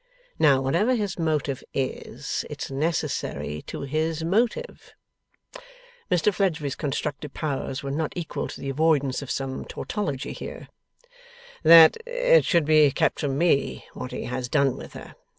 Now, whatever his motive is, it's necessary to his motive' Mr Fledgeby's constructive powers were not equal to the avoidance of some tautology here 'that it should be kept from me, what he has done with her.